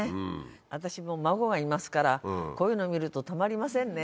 私も孫がいますからこういうの見るとたまりませんね。